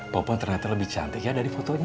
popon ternyata lebih cantik ya dari fotonya